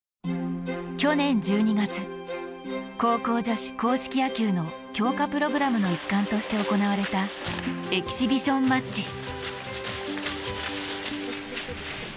去年１２月、高校女子硬式野球の強化プログラムの一環として行われたエキシビションマッチ。